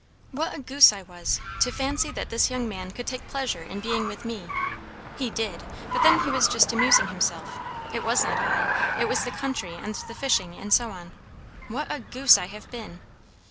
What a goose I was, to fancy that this young man could take pleasure in being with me. He did; but then he was just amusing himself; it was not I; it was the country and the fishing, and so on. What a goose I have been!"